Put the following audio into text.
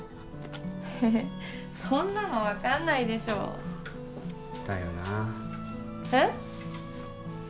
えっそんなの分かんないでしょだよなえっ？